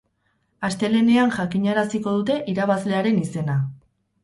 Astelehenean jakinaraziko dute irabazlearen izena.